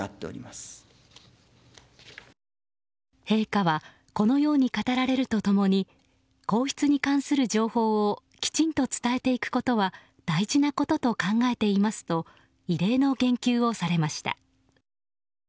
陛下はこのように語られると共に皇室に関する情報をきちんと伝えていくことは大事なことと考えていますと異例の言及をされました。